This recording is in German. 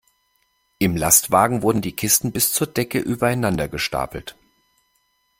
Im Lastwagen wurden die Kisten bis zur Decke übereinander gestapelt.